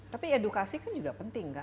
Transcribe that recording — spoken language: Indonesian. tapi edukasi kan juga penting kan